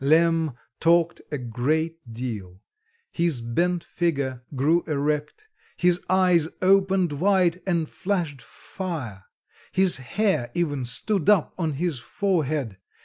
Lemm talked a great deal; his bent figure grew erect, his eyes opened wide and flashed fire; his hair even stood up on his forehead.